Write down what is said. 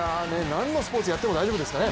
何のスポーツやっても大丈夫ですかね。